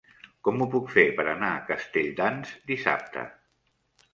Com ho puc fer per anar a Castelldans dissabte?